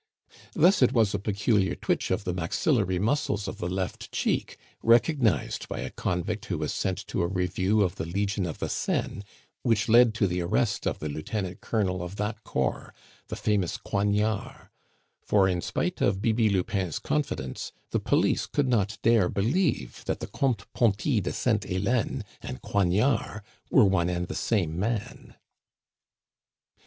Thus it was a peculiar twitch of the maxillary muscles of the left cheek, recognized by a convict who was sent to a review of the Legion of the Seine, which led to the arrest of the lieutenant colonel of that corps, the famous Coignard; for, in spite of Bibi Lupin's confidence, the police could not dare believe that the Comte Pontis de Sainte Helene and Coignard were one and the same man.